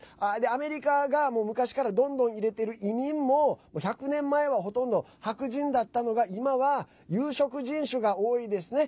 アメリカが昔からどんどん入れている移民も１００年前はほとんど白人だったのが今は、有色人種が多いですね。